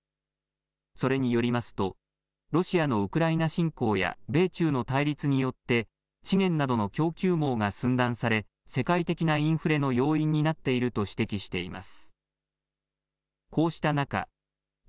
それによりますとロシアのウクライナ侵攻や米中の対立によって資源などの供給網が寸断され世界的なインフレの要因になっていると指摘しています。